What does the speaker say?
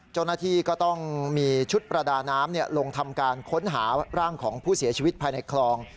เจ้าหน้าที่ก็ต้องมีชุดประดาน้ำลงทำการค้นหาร่างของผู้เสียชีวิตภายในคลอง